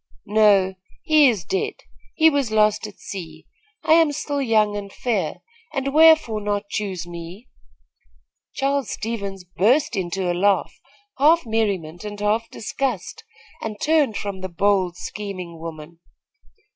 "No; he is dead, he was lost at sea. I am still young and fair, and wherefore not choose me?" Charles Stevens burst into a laugh, half merriment and half disgust, and turned from the bold, scheming woman.